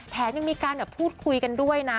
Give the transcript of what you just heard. แถมยังมีการพูดคุยกันด้วยนะ